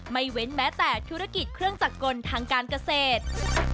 เว้นแม้แต่ธุรกิจเครื่องจักรกลทางการเกษตร